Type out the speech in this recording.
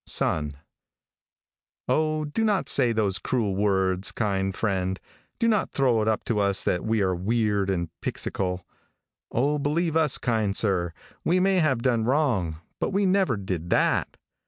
Sun. Oh, do not say those cruel words, kind friend. Do not throw it up to us that we are weird and pixycal. Oh, believe us, kind sir, we may have done wrong, but we never did that.